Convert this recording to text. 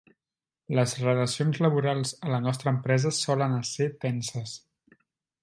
Les relacions laborals a la nostra empresa solen ésser tenses.